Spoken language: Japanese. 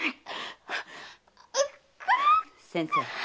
先生。